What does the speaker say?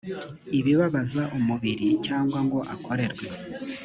ibibabaza umubiri cyangwa ngo akorerwe